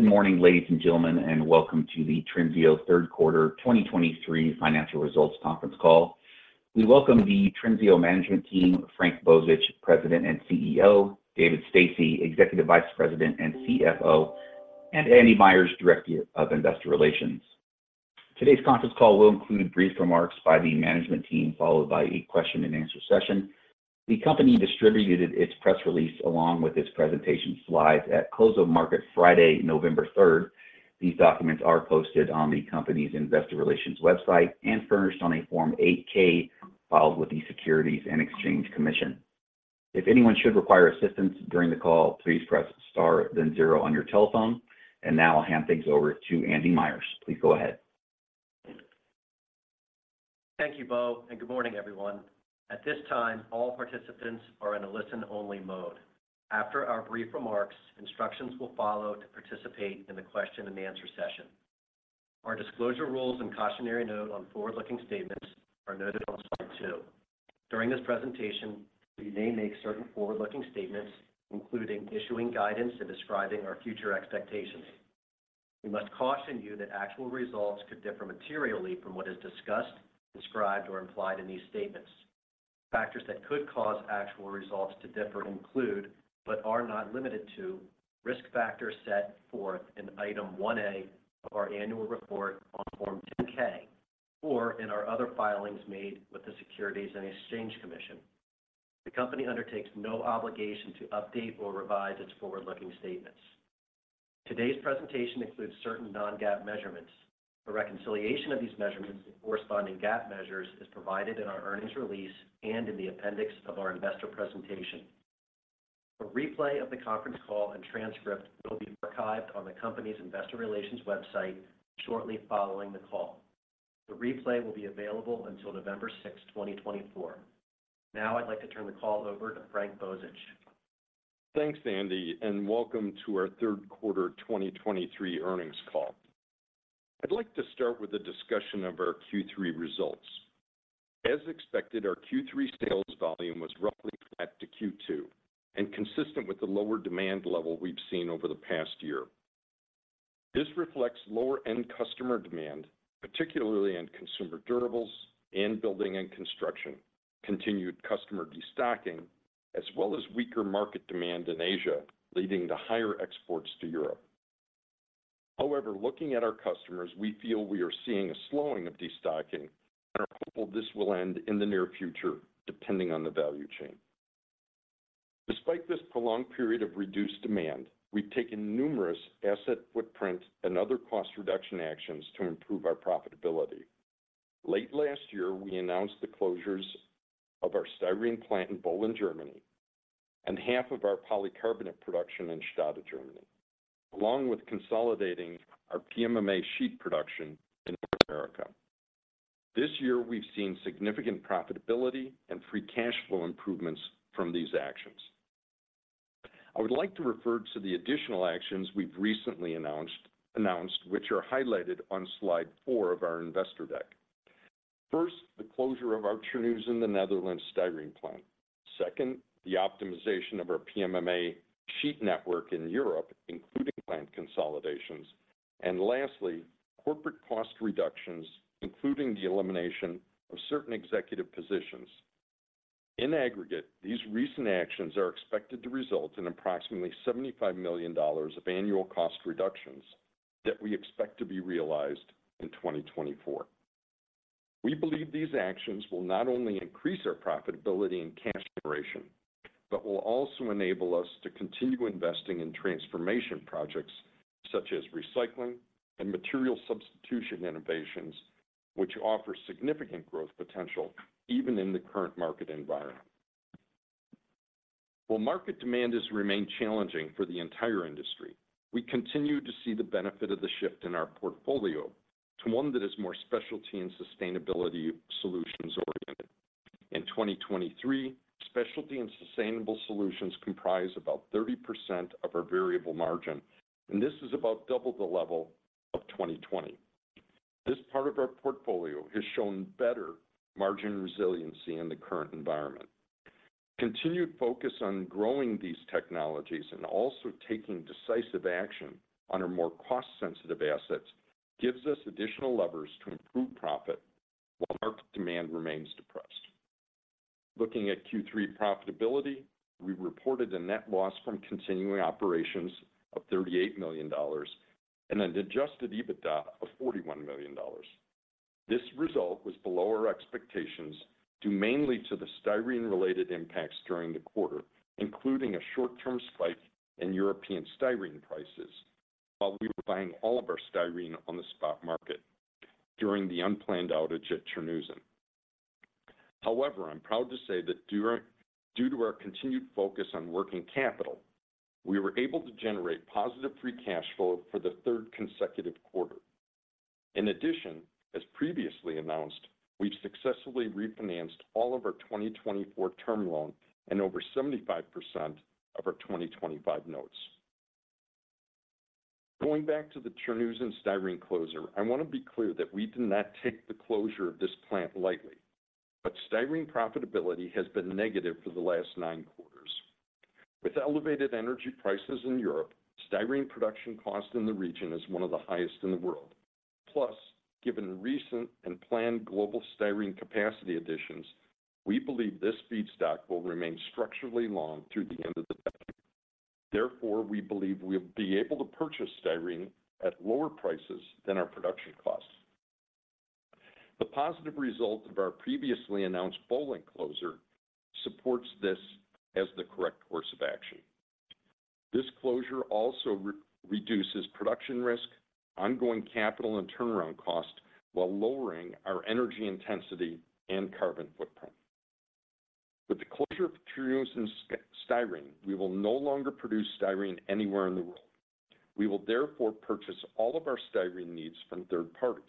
Good morning, ladies and gentlemen, and welcome to the Trinseo Q3 2023 financial results conference call. We welcome the Trinseo management team, Frank Bozich, President and CEO; David Stasse, Executive Vice President and CFO; and Andy Myers, Director of Investor Relations. Today's conference call will include brief remarks by the management team, followed by a question-and-answer session. The company distributed its press release along with its presentation slides at close of market Friday, November third. These documents are posted on the company's investor relations website and furnished on a Form 8-K, filed with the Securities and Exchange Commission. If anyone should require assistance during the call, please press star, then zero on your telephone. And now I'll hand things over to Andy Myers. Please go ahead. Thank you, Bo, and good morning, everyone. At this time, all participants are in a listen-only mode. After our brief remarks, instructions will follow to participate in the question-and-answer session. Our disclosure rules and cautionary note on forward-looking statements are noted on slide 2. During this presentation, we may make certain forward-looking statements, including issuing guidance and describing our future expectations. We must caution you that actual results could differ materially from what is discussed, described, or implied in these statements. Factors that could cause actual results to differ include, but are not limited to, risk factors set forth in Item 1A of our annual report on Form 10-K or in our other filings made with the Securities and Exchange Commission. The company undertakes no obligation to update or revise its forward-looking statements. Today's presentation includes certain non-GAAP measurements. A reconciliation of these measurements and corresponding GAAP measures is provided in our earnings release and in the appendix of our investor presentation. A replay of the conference call and transcript will be archived on the company's investor relations website shortly following the call. The replay will be available until November sixth, twenty twenty-four. Now, I'd like to turn the call over to Frank Bozich. Thanks, Andy, and welcome to our Q3 2023 earnings call. I'd like to start with a discussion of our Q3 results. As expected, our Q3 sales volume was roughly flat to Q2 and consistent with the lower demand level we've seen over the past year. This reflects lower end customer demand, particularly in consumer durables and building and construction, continued customer destocking, as well as weaker market demand in Asia, leading to higher exports to Europe. However, looking at our customers, we feel we are seeing a slowing of destocking and are hopeful this will end in the near future, depending on the value chain. Despite this prolonged period of reduced demand, we've taken numerous asset footprint and other cost reduction actions to improve our profitability. Late last year, we announced the closures of our styrene plant in Böhlen, Germany, and half of our polycarbonate production in Stade, Germany, along with consolidating our PMMA sheet production in North America. This year, we've seen significant profitability and free cash flow improvements from these actions. I would like to refer to the additional actions we've recently announced, which are highlighted on slide 4 of our investor deck. First, the closure of our Terneuzen, in the Netherlands, styrene plant. Second, the optimization of our PMMA sheet network in Europe, including plant consolidations. And lastly, corporate cost reductions, including the elimination of certain executive positions. In aggregate, these recent actions are expected to result in approximately $75 million of annual cost reductions that we expect to be realized in 2024. We believe these actions will not only increase our profitability and cash generation, but will also enable us to continue investing in transformation projects such as recycling and material substitution innovations, which offer significant growth potential even in the current market environment. While market demand has remained challenging for the entire industry, we continue to see the benefit of the shift in our portfolio to one that is more specialty and sustainability solutions-oriented. In 2023, specialty and sustainable solutions comprise about 30% of our variable margin, and this is about double the level of 2020. This part of our portfolio has shown better margin resiliency in the current environment. Continued focus on growing these technologies and also taking decisive action on our more cost-sensitive assets gives us additional levers to improve profit while market demand remains depressed. Looking at Q3 profitability, we reported a net loss from continuing operations of $38 million and an Adjusted EBITDA of $41 million. This result was below our expectations, due mainly to the styrene-related impacts during the quarter, including a short-term spike in European styrene prices while we were buying all of our styrene on the spot market during the unplanned outage at Terneuzen. However, I'm proud to say that due to our continued focus on Working Capital, we were able to generate positive Free Cash Flow for the third consecutive quarter. In addition, as previously announced, we've successfully refinanced all of our 2024 term loan and over 75% of our 2025 notes. Going back to the Terneuzen styrene closure, I want to be clear that we did not take the closure of this plant lightly. But styrene profitability has been negative for the last nine quarters. With elevated energy prices in Europe, styrene production cost in the region is one of the highest in the world. Plus, given recent and planned global styrene capacity additions, we believe this feedstock will remain structurally long through the end of the decade. Therefore, we believe we'll be able to purchase styrene at lower prices than our production costs. The positive result of our previously announced Böhlen closure supports this as the correct course of action. This closure also reduces production risk, ongoing capital and turnaround costs, while lowering our energy intensity and carbon footprint. With the closure of Terneuzen styrene, we will no longer produce styrene anywhere in the world. We will therefore purchase all of our styrene needs from third parties.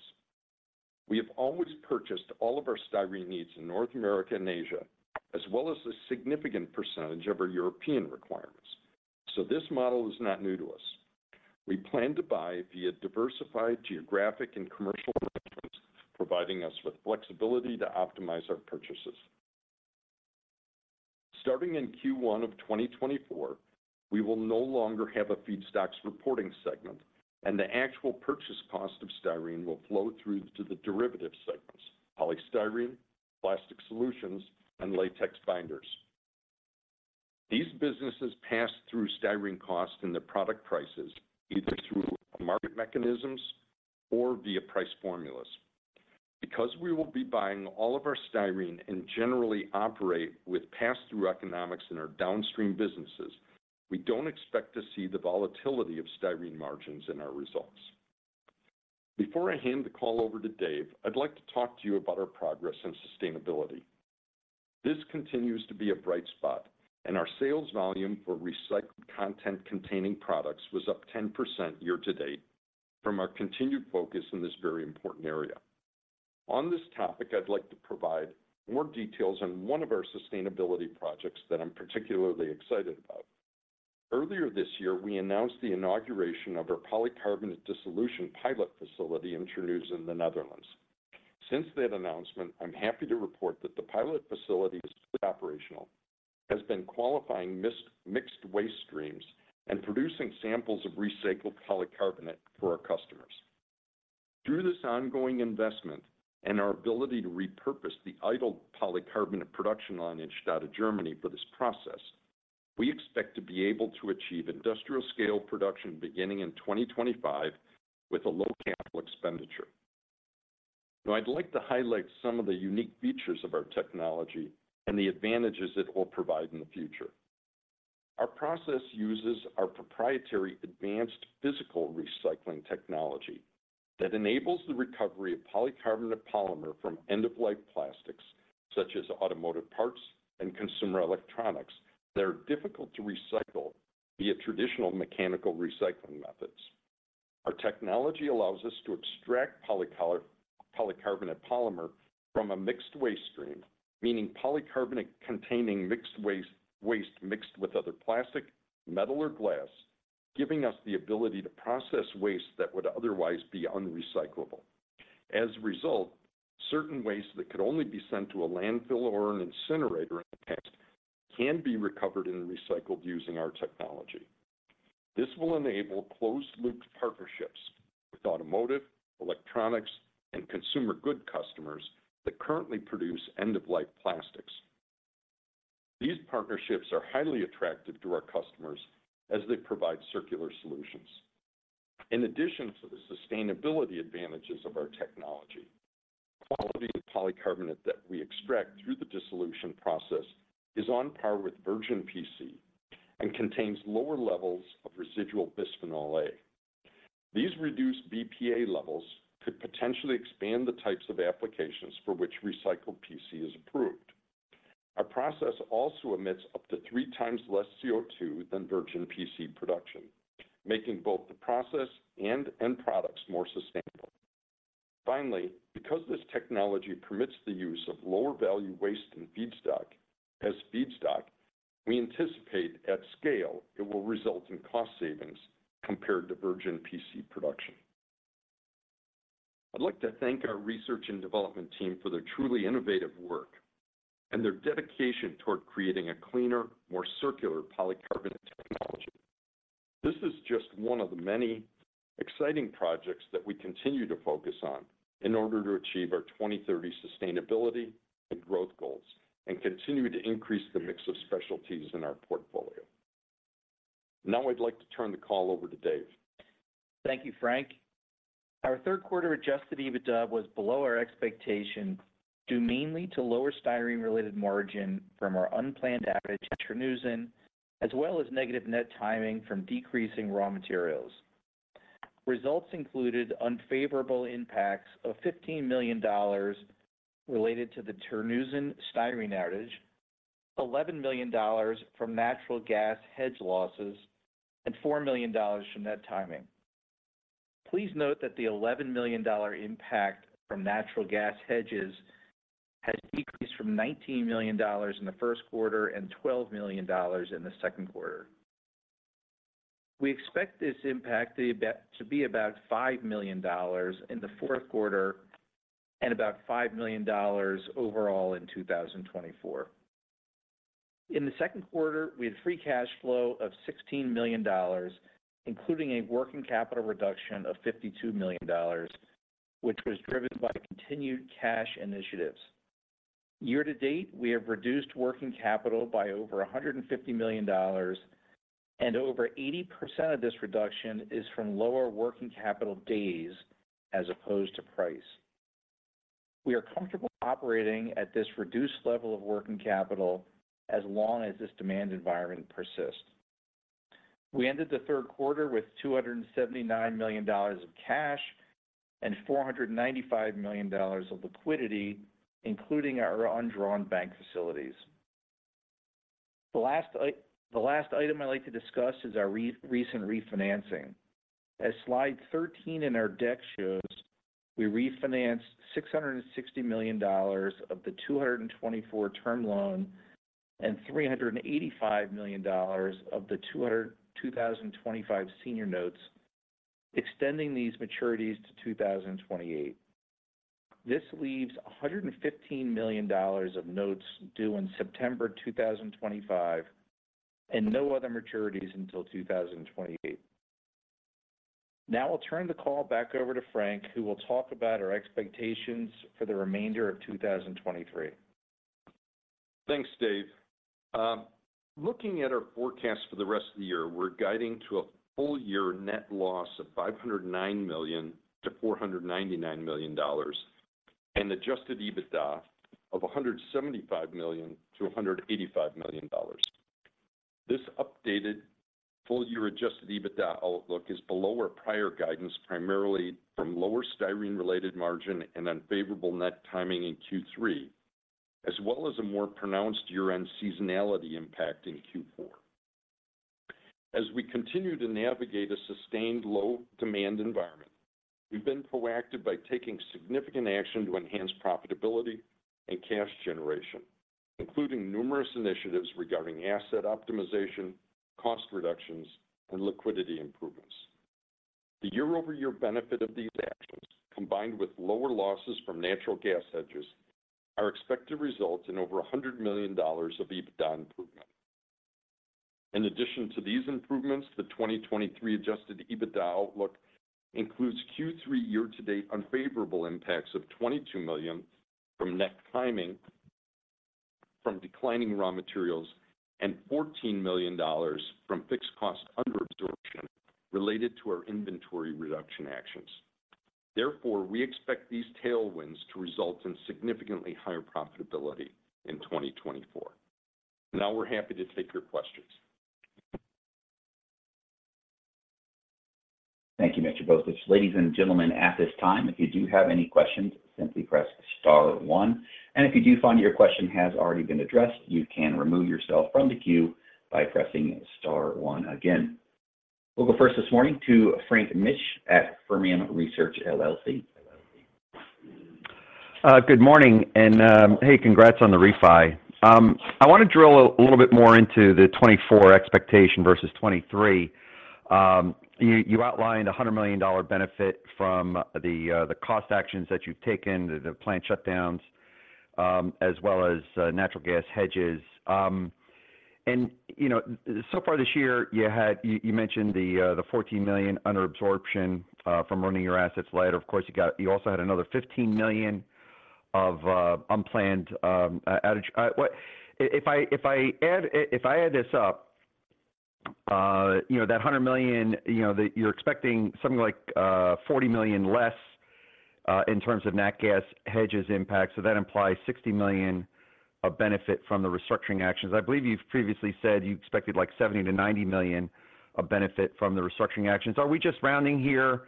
We have always purchased all of our styrene needs in North America and Asia, as well as a significant percentage of our European requirements, so this model is not new to us. We plan to buy via diversified geographic and commercial arrangements, providing us with flexibility to optimize our purchases. Starting in Q1 of 2024, we will no longer have a feedstocks reporting segment, and the actual purchase cost of styrene will flow through to the derivative segments: polystyrene, plastic solutions, and latex binders. These businesses pass through styrene costs in their product prices, either through market mechanisms or via price formulas. Because we will be buying all of our styrene and generally operate with pass-through economics in our downstream businesses, we don't expect to see the volatility of styrene margins in our results. Before I hand the call over to Dave, I'd like to talk to you about our progress and sustainability. This continues to be a bright spot, and our sales volume for recycled content-containing products was up 10% year to date from our continued focus in this very important area. On this topic, I'd like to provide more details on one of our sustainability projects that I'm particularly excited about. Earlier this year, we announced the inauguration of our polycarbonate dissolution pilot facility in Terneuzen in the Netherlands. Since that announcement, I'm happy to report that the pilot facility is operational, has been qualifying mixed waste streams, and producing samples of recycled polycarbonate for our customers. Through this ongoing investment and our ability to repurpose the idle polycarbonate production line in Stade, Germany, for this process, we expect to be able to achieve industrial-scale production beginning in 2025 with a low capital expenditure. Now, I'd like to highlight some of the unique features of our technology and the advantages it will provide in the future. Our process uses our proprietary advanced physical recycling technology that enables the recovery of polycarbonate polymer from end-of-life plastics, such as automotive parts and consumer electronics, that are difficult to recycle via traditional mechanical recycling methods. Our technology allows us to extract polycarbonate polymer from a mixed waste stream, meaning polycarbonate containing mixed waste, waste mixed with other plastic, metal, or glass, giving us the ability to process waste that would otherwise be unrecyclable. As a result, certain waste that could only be sent to a landfill or an incinerator in the past can be recovered and recycled using our technology. This will enable closed loop partnerships with automotive, electronics, and consumer goods customers that currently produce end-of-life plastics. These partnerships are highly attractive to our customers as they provide circular solutions. In addition to the sustainability advantages of our technology, the quality of polycarbonate that we extract through the dissolution process is on par with virgin PC and contains lower levels of residual Bisphenol A. These reduced BPA levels could potentially expand the types of applications for which recycled PC is approved. Our process also emits up to three times less CO2 than virgin PC production, making both the process and end products more sustainable. Finally, because this technology permits the use of lower value waste and feedstock, as feedstock, we anticipate at scale it will result in cost savings compared to virgin PC production. I'd like to thank our research and development team for their truly innovative work and their dedication toward creating a cleaner, more circular polycarbonate technology. This is just one of the many exciting projects that we continue to focus on in order to achieve our 2030 sustainability and growth goals and continue to increase the mix of specialties in our portfolio. Now, I'd like to turn the call over to Dave. Thank you, Frank. Our Q3 Adjusted EBITDA was below our expectations, due mainly to lower styrene-related margin from our unplanned outage at Terneuzen, as well as negative Net Timing from decreasing raw materials. Results included unfavorable impacts of $15 million related to the Terneuzen styrene outage, $11 million from natural gas hedge losses, and $4 million from Net Timing. Please note that the $11 million impact from natural gas hedges has decreased from $19 million in Q1 and $12 million in Q2. We expect this impact to be about $5 million in Q4 and about $5 million overall in 2024. In Q2, we had Free Cash Flow of $16 million, including a Working Capital reduction of $52 million, which was driven by continued cash initiatives. Year to date, we have reduced Working Capital by over $150 million, and over 80% of this reduction is from lower working capital days as opposed to price. We are comfortable operating at this reduced level of Working Capital as long as this demand environment persists. We ended Q3 with $279 million of cash and $495 million of liquidity, including our undrawn bank facilities. The last item I'd like to discuss is our recent refinancing. As slide 13 in our deck shows, we refinanced $660 million of the 2024 term loan and $385 million of the 2025 senior notes, extending these maturities to 2028. This leaves $115 million of notes due in September 2025, and no other maturities until 2028. Now I'll turn the call back over to Frank, who will talk about our expectations for the remainder of 2023. Thanks, Dave. Looking at our forecast for the rest of the year, we're guiding to a full year net loss of $509 million-$499 million, and adjusted EBITDA of $175 million-$185 million. This updated full year adjusted EBITDA outlook is below our prior guidance, primarily from lower styrene-related margin and unfavorable net timing in Q3, as well as a more pronounced year-end seasonality impact in Q4. As we continue to navigate a sustained low demand environment, we've been proactive by taking significant action to enhance profitability and cash generation, including numerous initiatives regarding asset optimization, cost reductions, and liquidity improvements. The year-over-year benefit of these actions, combined with lower losses from natural gas hedges, are expected to result in over $100 million of EBITDA improvement. In addition to these improvements, the 2023 Adjusted EBITDA outlook includes Q3 year-to-date unfavorable impacts of $22 million from Net Timing from declining raw materials and $14 million from fixed cost underabsorption related to our inventory reduction actions. Therefore, we expect these tailwinds to result in significantly higher profitability in 2024. Now we're happy to take your questions. Thank you, Mr. Bozich. Ladies and gentlemen, at this time, if you do have any questions, simply press star one, and if you do find your question has already been addressed, you can remove yourself from the queue by pressing star one again. We'll go first this morning to Frank Mitsch at Fermium Research LLC. Good morning and hey, congrats on the refi. I want to drill a little bit more into the 2024 expectation versus 2023. You outlined a $100 million benefit from the cost actions that you've taken, the plant shutdowns, as well as natural gas hedges. And, you know, so far this year, you had. You mentioned the $14 million underabsorption from running your assets light. Of course, you also had another $15 million of unplanned outage. If I add this up, you know, that $100 million, you know, that you're expecting something like $40 million less in terms of nat gas hedges impact, so that implies $60 million of benefit from the restructuring actions. I believe you've previously said you expected, like, $70 million-$90 million of benefit from the restructuring actions. Are we just rounding here?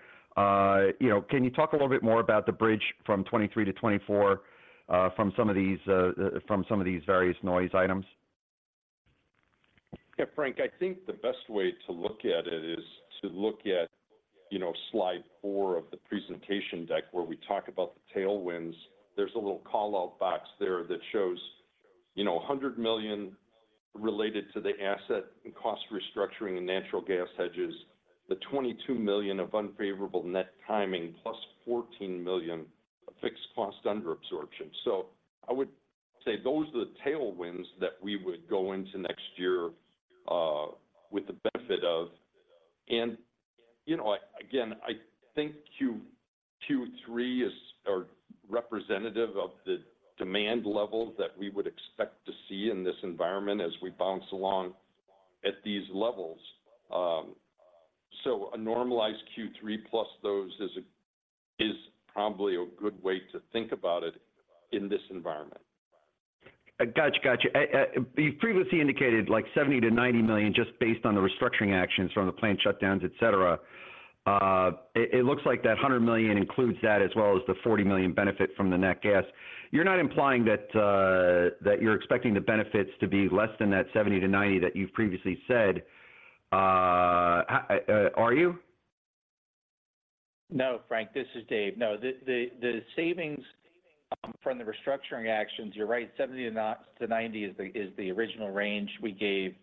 You know, can you talk a little bit more about the bridge from 2023 to 2024, from some of these various noise items? Yeah, Frank, I think the best way to look at it is to look at, you know, slide 4 of the presentation deck, where we talk about the tailwinds. There's a little call-out box there that shows, you know, $100 million related to the asset and cost restructuring and natural gas hedges, the $22 million of unfavorable net timing, plus $14 million of fixed cost underabsorption. So I would say those are the tailwinds that we would go into next year with the benefit of. And, you know, again, I think Q2, Q3 are representative of the demand levels that we would expect to see in this environment as we bounce along at these levels. So a normalized Q3 plus those is probably a good way to think about it in this environment. Gotcha, gotcha. You previously indicated like $70 million-$90 million, just based on the restructuring actions from the plant shutdowns, et cetera. It looks like that $100 million includes that, as well as the $40 million benefit from the natural gas. You're not implying that that you're expecting the benefits to be less than that $70 million-$90 million that you've previously said, are you?... No, Frank, this is Dave. No, the savings from the restructuring actions, you're right, 70-90 is the original range we gave,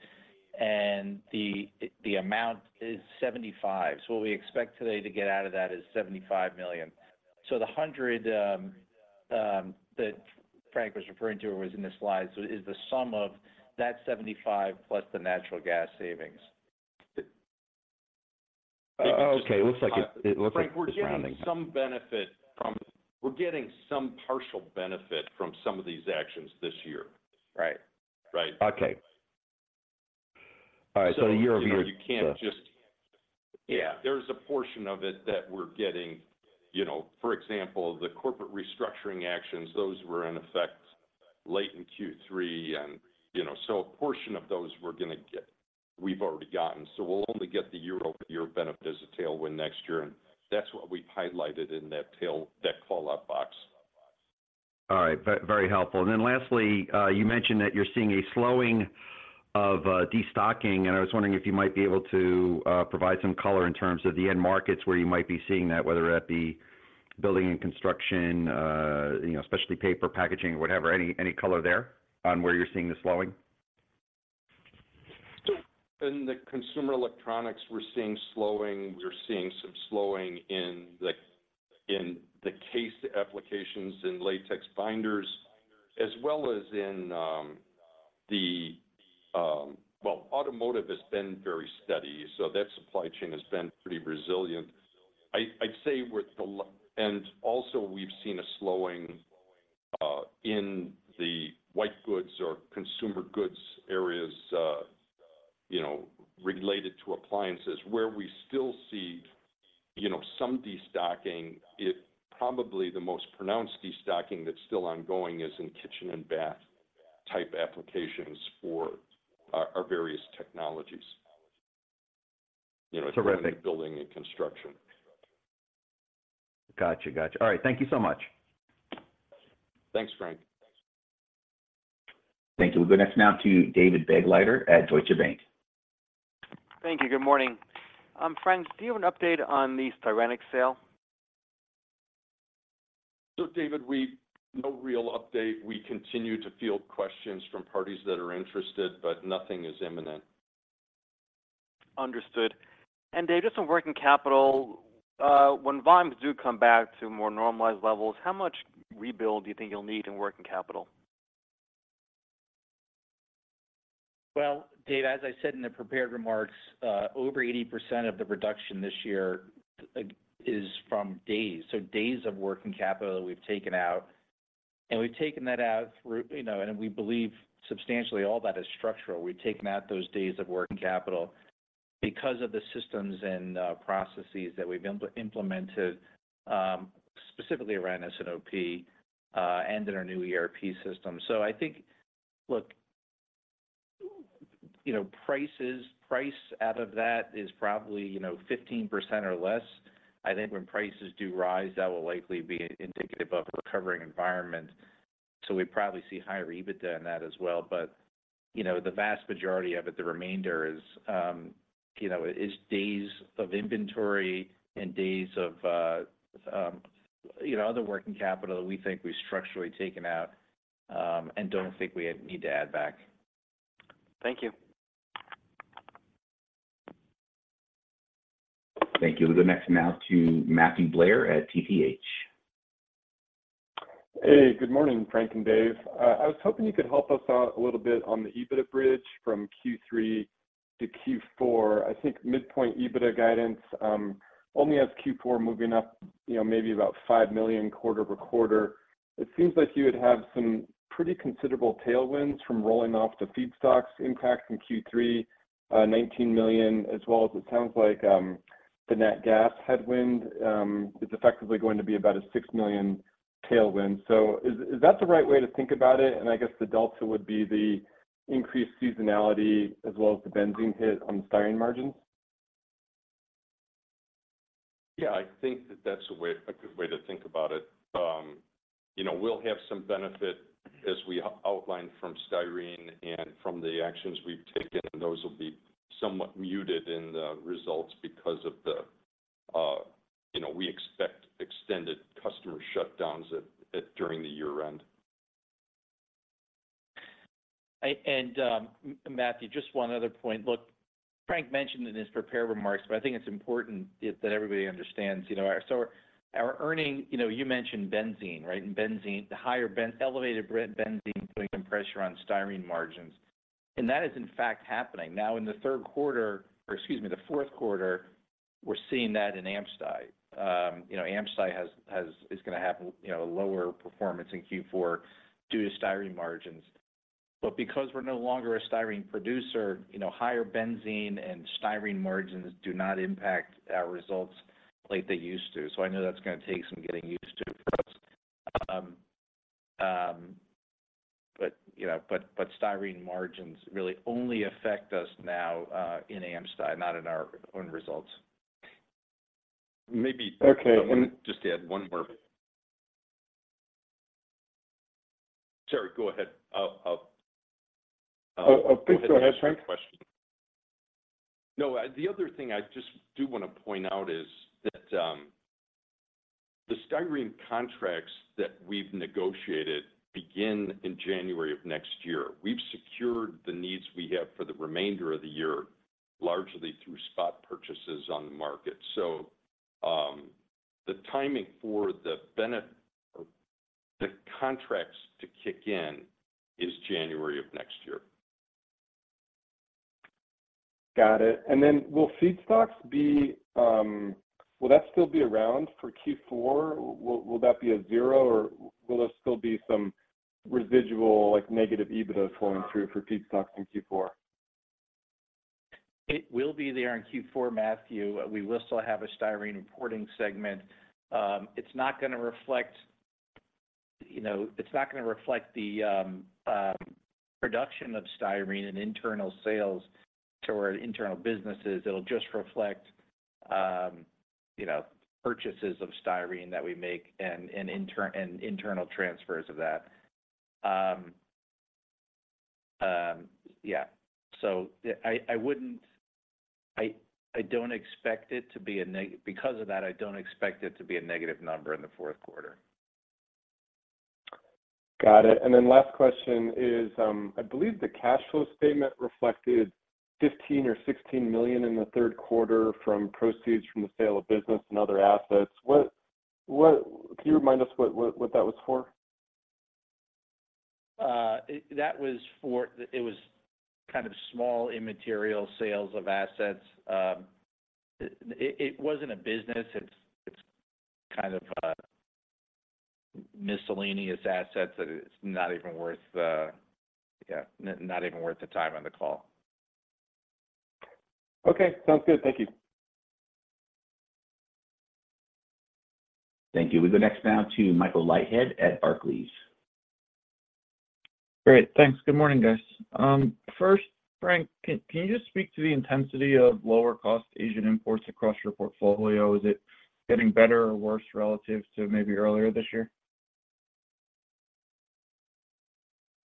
and the amount is 75. So what we expect today to get out of that is $75 million. So the 100 that Frank was referring to was in the slide, so is the sum of that 75 plus the natural gas savings. Frank, we're getting some partial benefit from some of these actions this year. Right. Right. Okay. All right, so year-over-year- So, you know, you can't just- Yeah. There's a portion of it that we're getting... You know, for example, the corporate restructuring actions, those were in effect late in Q3. And, you know, so a portion of those we're gonna get- we've already gotten, so we'll only get the year-over-year benefit as a tailwind next year, and that's what we've highlighted in that tail- that call-out box. All right, very helpful. Then lastly, you mentioned that you're seeing a slowing of destocking, and I was wondering if you might be able to provide some color in terms of the end markets where you might be seeing that, whether that be building and construction, you know, specialty paper packaging or whatever. Any, any color there on where you're seeing the slowing? So in consumer electronics, we're seeing slowing. We're seeing some slowing in the CASE applications in latex binders, as well as in the well, automotive has been very steady, so that supply chain has been pretty resilient. I'd say and also we've seen a slowing in the white goods or consumer goods areas, you know, related to appliances. Where we still see, you know, some destocking, probably the most pronounced destocking that's still ongoing is in kitchen and bath-type applications for our various technologies. You know- Terrific... in building and construction. Gotcha, gotcha. All right. Thank you so much. Thanks, Frank. Thank you. We'll go next now to David Begleiter at Deutsche Bank. Thank you. Good morning. Frank, do you have an update on the Styrenics sale? So, David, no real update. We continue to field questions from parties that are interested, but nothing is imminent. Understood. And Dave, just on working capital, when volumes do come back to more normalized levels, how much rebuild do you think you'll need in working capital? Well, Dave, as I said in the prepared remarks, over 80% of the reduction this year is from days, so days of working capital that we've taken out, and we've taken that out through... You know, and we believe substantially all that is structural. We've taken out those days of working capital because of the systems and processes that we've implemented, specifically around S&OP and in our new ERP system. So I think, look, you know, price out of that is probably 15% or less. I think when prices do rise, that will likely be indicative of a recovering environment, so we probably see higher EBITDA in that as well. But, you know, the vast majority of it, the remainder is, you know, is days of inventory and days of, you know, other Working Capital that we think we've structurally taken out, and don't think we ever need to add back. Thank you. Thank you. We'll go next now to Matthew Blair at TPH. Hey, good morning, Frank and Dave. I was hoping you could help us out a little bit on the EBITDA bridge from Q3 to Q4. I think midpoint EBITDA guidance only has Q4 moving up, you know, maybe about $5 million quarter-over-quarter. It seems like you would have some pretty considerable tailwinds from rolling off the feedstocks impact in Q3, $19 million, as well as it sounds like, the net gas headwind is effectively going to be about a $6 million tailwind. So is that the right way to think about it? And I guess the delta would be the increased seasonality as well as the benzene hit on the styrene margins? Yeah, I think that that's a way, a good way to think about it. You know, we'll have some benefit, as we outlined from styrene and from the actions we've taken, and those will be somewhat muted in the results because of the... You know, we expect extended customer shutdowns during the year-end. Matthew, just one other point. Look, Frank mentioned in his prepared remarks, but I think it's important that everybody understands. You know, you mentioned benzene, right? And benzene, the higher benzene putting some pressure on styrene margins, and that is in fact happening. Now, in Q3, or excuse me, Q4 we're seeing that in AmSty. You know, AmSty is gonna have a lower performance in Q4 due to styrene margins. But because we're no longer a styrene producer, you know, higher benzene and styrene margins do not impact our results like they used to. So I know that's gonna take some getting used to for us. But, you know, styrene margins really only affect us now in AmSty, not in our own results. Maybe- Okay, let-... just to add one more point. Sorry, go ahead. I'll go ahead with my question. Please go ahead, Frank. No, the other thing I just do want to point out is that, the styrene contracts that we've negotiated begin in January of next year. We've secured the needs we have for the remainder of the year, largely through spot purchases on the market. So, the timing for the benefit of the contracts to kick in is January of next year. Got it. And then will that still be around for Q4? Will that be a zero, or will there still be some residual, like negative EBITDA flowing through for feedstocks in Q4? It will be there in Q4, Matthew. We will still have a styrene reporting segment. It's not gonna reflect, you know—it's not gonna reflect the production of styrene and internal sales to our internal businesses. It'll just reflect, you know, purchases of styrene that we make and internal transfers of that. Yeah, so I wouldn't—I don't expect it to be negative because of that. I don't expect it to be a negative number in Q4. Got it. Then last question is, I believe the cash flow statement reflected $15 million or $16 million in Q3 from proceeds from the sale of business and other assets. What... Can you remind us what that was for? It was kind of small, immaterial sales of assets. It wasn't a business. It's kind of a miscellaneous assets that it's not even worth the time on the call. Okay. Sounds good. Thank you. Thank you. We go next now to Michael Leithead at Barclays. Great, thanks. Good morning, guys. First, Frank, can you just speak to the intensity of lower-cost Asian imports across your portfolio? Is it getting better or worse relative to maybe earlier this year?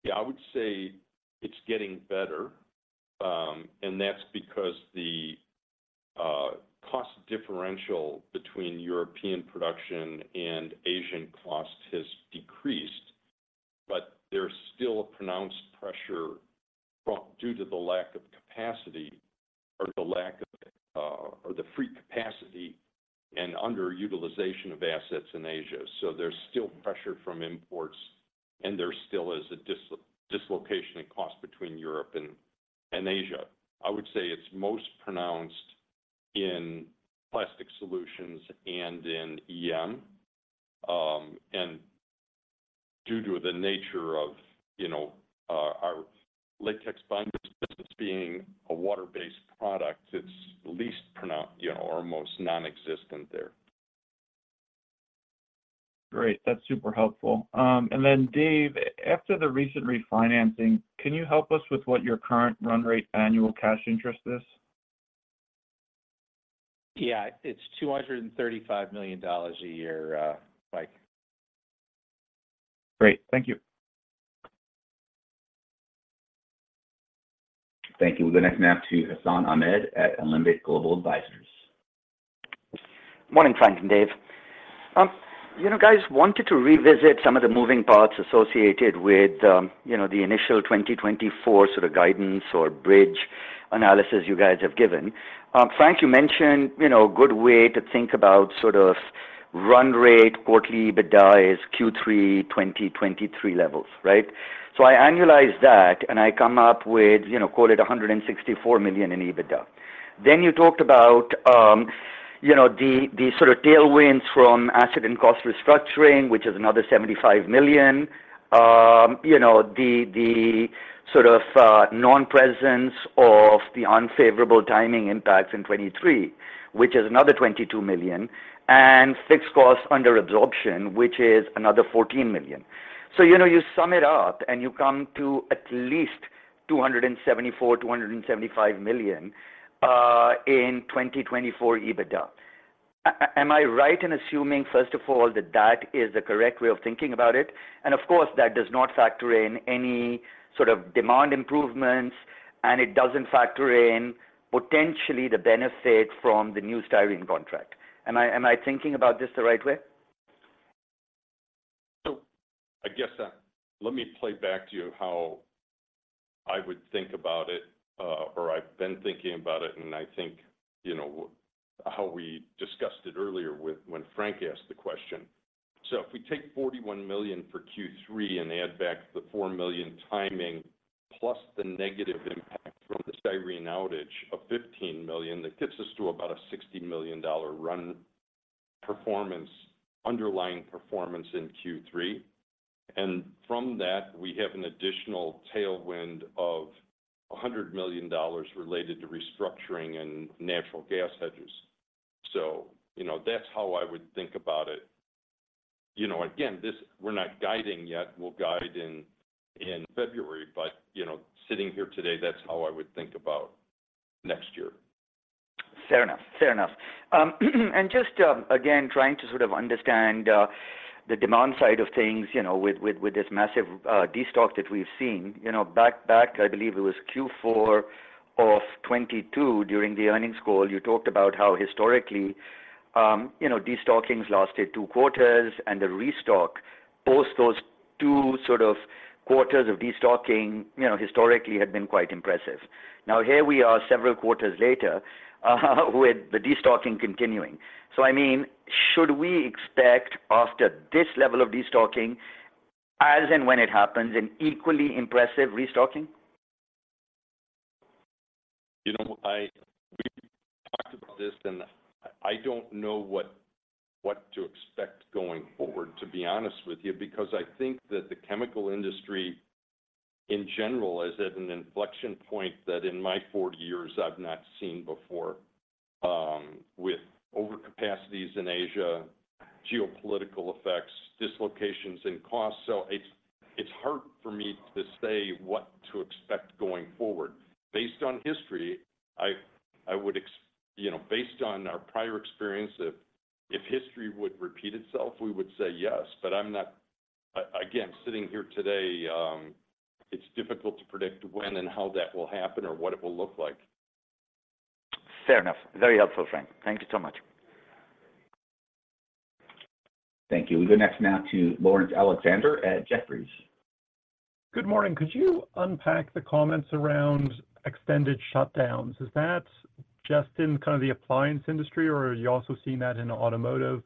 Yeah, I would say it's getting better, and that's because the cost differential between European production and Asian cost has decreased, but there's still a pronounced pressure due to the lack of capacity or the free capacity and underutilization of assets in Asia. So there's still pressure from imports, and there still is a dislocation in cost between Europe and Asia. I would say it's most pronounced in plastic solutions and in EM. And due to the nature of, you know, our latex binders business being a water-based product, it's least pronounced, you know, or most non-existent there. Great, that's super helpful. And then, Dave, after the recent refinancing, can you help us with what your current run rate annual cash interest is? Yeah, it's $235 million a year, Mike. Great. Thank you. Thank you. We'll go next now to Hassan Ahmed at Alembic Global Advisors. Morning, Frank and Dave. You know, guys, wanted to revisit some of the moving parts associated with, you know, the initial 2024 sort of guidance or bridge analysis you guys have given. Frank, you mentioned, you know, a good way to think about sort of run rate quarterly EBITDA is Q3 2023 levels, right? So I annualize that, and I come up with, you know, call it $164 million in EBITDA. Then you talked about, you know, the sort of non-presence of the unfavorable timing impacts in 2023, which is another $22 million, and fixed costs under absorption, which is another $14 million. So, you know, you sum it up, and you come to at least $274 million-$275 million in 2024 EBITDA. Am I right in assuming, first of all, that that is the correct way of thinking about it? And of course, that does not factor in any sort of demand improvements, and it doesn't factor in potentially the benefit from the new styrene contract. Am I, am I thinking about this the right way? So I guess, let me play back to you how I would think about it, or I've been thinking about it, and I think, you know, how we discussed it earlier with when Frank asked the question. So if we take $41 million for Q3 and add back the $4 million timing, plus the negative impact from the styrene outage of $15 million, that gets us to about a $60 million dollar run performance, underlying performance in Q3. And from that, we have an additional tailwind of $100 million related to restructuring and natural gas hedges. So, you know, that's how I would think about it. You know, again, this, we're not guiding yet. We'll guide in February, but, you know, sitting here today, that's how I would think about next year.... Fair enough. Fair enough. And just, again, trying to sort of understand, the demand side of things, you know, with, with, with this massive, destocking that we've seen. You know, back, back, I believe it was Q4 of 2022, during the earnings call, you talked about how historically, you know, destockings lasted two quarters, and the restock post those two sort of quarters of destocking, you know, historically had been quite impressive. Now, here we are, several quarters later, with the destocking continuing. So I mean, should we expect after this level of destocking, as and when it happens, an equally impressive restocking? You know, we talked about this, and I don't know what to expect going forward, to be honest with you. Because I think that the chemical industry, in general, is at an inflection point that in my 40 years I've not seen before, with overcapacities in Asia, geopolitical effects, dislocations in cost. So it's hard for me to say what to expect going forward. Based on history, I would, you know, based on our prior experience, if history would repeat itself, we would say yes, but I'm not again, sitting here today, it's difficult to predict when and how that will happen, or what it will look like. Fair enough. Very helpful, Frank. Thank you so much. Thank you. We go next now to Laurence Alexander at Jefferies. Good morning. Could you unpack the comments around extended shutdowns? Is that just in kind of the appliance industry, or are you also seeing that in automotive?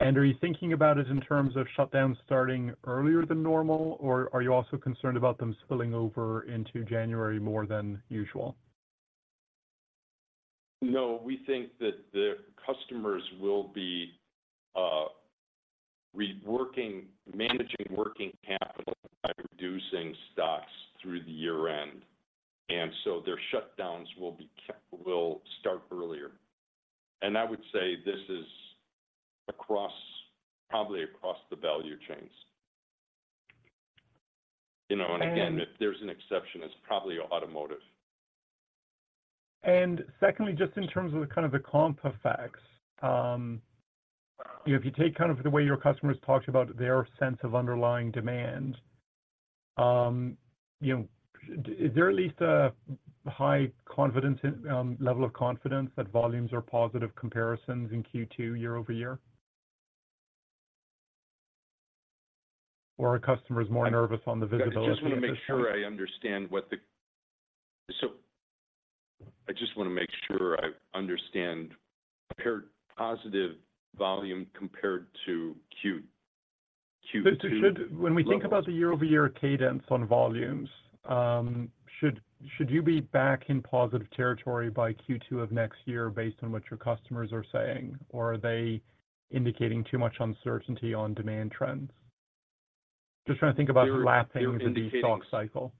And are you thinking about it in terms of shutdowns starting earlier than normal, or are you also concerned about them spilling over into January more than usual? No, we think that the customers will be reworking, managing working capital by reducing stocks through the year-end, and so their shutdowns will start earlier. I would say this is across, probably across the value chains. You know, and again- And-... if there's an exception, it's probably automotive. And secondly, just in terms of the kind of the comp effects, you know, if you take kind of the way your customers talked about their sense of underlying demand, you know, is there at least a high confidence in, level of confidence that volumes are positive comparisons in Q2 year-over-year? Or are customers more nervous on the visibility at this point? I just want to make sure I understand. So I just want to make sure I understand compared, positive volume compared to Q2? Should—When we think about the year-over-year cadence on volumes, should you be back in positive territory by Q2 of next year based on what your customers are saying, or are they indicating too much uncertainty on demand trends? Just trying to think about the last thing in the stock cycle.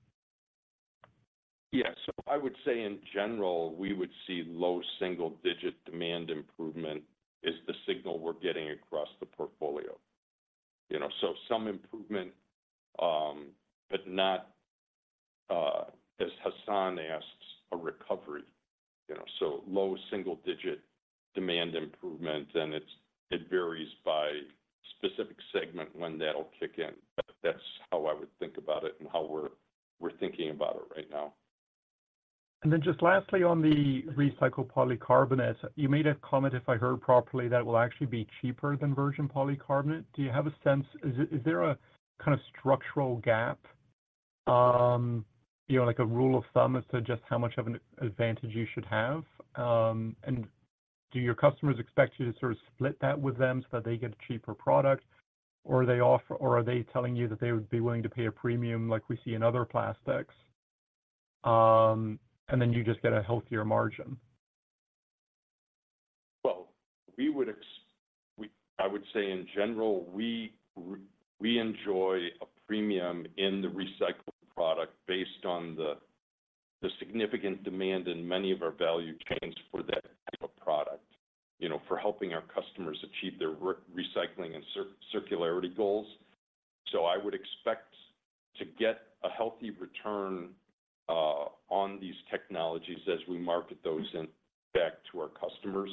Yes. So I would say, in general, we would see low single-digit demand improvement, is the signal we're getting across the portfolio. You know, so some improvement, but not, as Hassan asks, a recovery. You know, so low single-digit demand improvement, and it varies by specific segment when that'll kick in. But that's how I would think about it and how we're thinking about it right now. And then just lastly, on the recycled polycarbonate. You made a comment, if I heard properly, that it will actually be cheaper than virgin polycarbonate. Do you have a sense? Is there a kind of structural gap, you know, like a rule of thumb as to just how much of an advantage you should have? And do your customers expect you to sort of split that with them so that they get a cheaper product, or are they telling you that they would be willing to pay a premium, like we see in other plastics, and then you just get a healthier margin? Well, I would say in general, we enjoy a premium in the recycled product based on the significant demand in many of our value chains for that type of product, you know, for helping our customers achieve their recycling and circularity goals. So I would expect to get a healthy return on these technologies as we market those and back to our customers.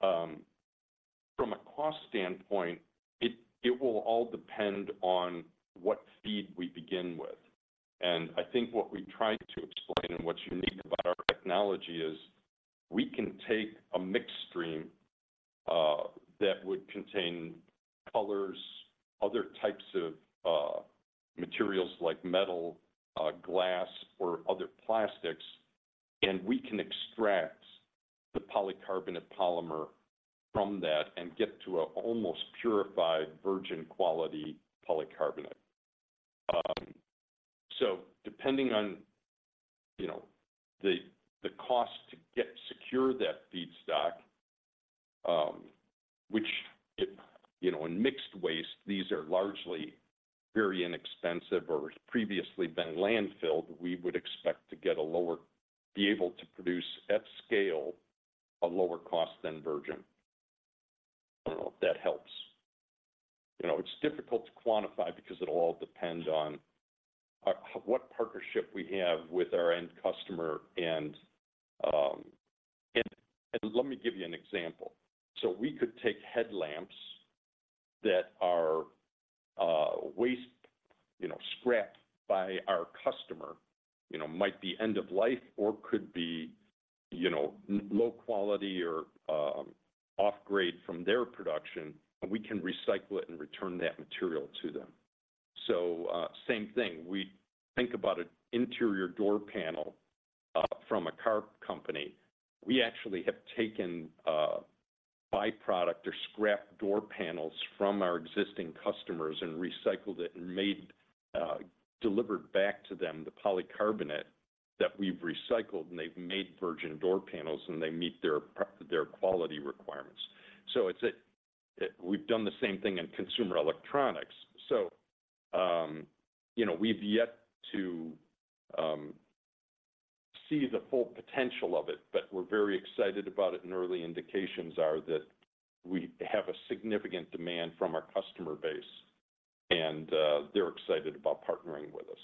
From a cost standpoint, it will all depend on what feed we begin with. And I think what we tried to explain and what's unique about our technology is, we can take a mixed stream that would contain colors, other types of materials like metal, glass, or other plastics, and we can extract the polycarbonate polymer from that and get to an almost purified, virgin-quality polycarbonate. So depending on, you know, the cost to get, secure that feedstock, which, it... You know, in mixed waste, these are largely very inexpensive or previously been landfilled, we would expect to get a lower- be able to produce, at scale, a lower cost than virgin. I don't know if that helps. You know, it's difficult to quantify because it'll all depend on what partnership we have with our end customer, and, and let me give you an example. So we could take headlamps that are waste, you know, scrap by our customer. You know, might be end of life or could be, you know, low quality or offgrade from their production, and we can recycle it and return that material to them. So same thing: we think about an interior door panel from a car company. We actually have taken byproduct or scrap door panels from our existing customers and recycled it and made, delivered back to them the polycarbonate that we've recycled, and they've made virgin door panels, and they meet their their quality requirements. So it's a. We've done the same thing in consumer electronics. So, you know, we've yet to see the full potential of it, but we're very excited about it, and early indications are that we have a significant demand from our customer base, and, they're excited about partnering with us.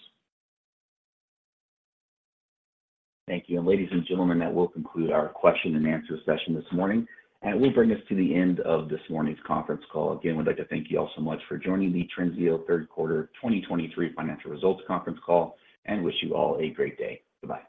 Thank you. Ladies and gentlemen, that will conclude our question and answer session this morning, and it will bring us to the end of this morning's conference call. Again, we'd like to thank you all so much for joining the Trinseo Third Quarter 2023 Financial Results Conference Call, and wish you all a great day. Goodbye.